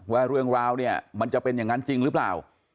ว่าเรื่องราวเนี่ยมันจะเป็นอย่างนั้นจริงหรือเปล่า